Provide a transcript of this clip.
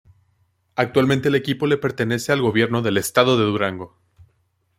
Actualmente el equipo le pertenece al gobierno del estado de Durango.